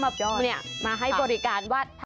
ใช่ค่ะเขาก็มาให้บริการวาด